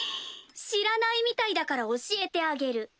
知らないみたいだから教えてあげる。